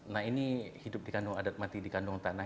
nah ini hidup dikandung adat mati dikandung tanah